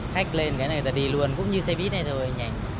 khách lên cái này thì đi luôn cũng như xe buýt này thôi nhanh